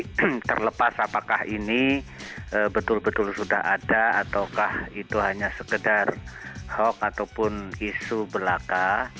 tapi terlepas apakah ini betul betul sudah ada ataukah itu hanya sekedar hoax ataupun isu belaka